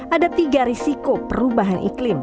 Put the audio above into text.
ada tiga risiko perubahan iklim